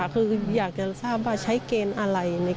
คืออยากจะทราบว่าใช้เกณฑ์อะไร